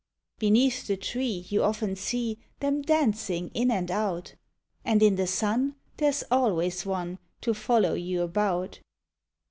Beneath the tree you often see Them dancing in and out, And in the sun there \s always one To follow you about.